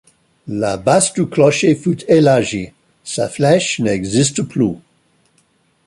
La base du clocher fut élargie, sa flèche n'existe plus.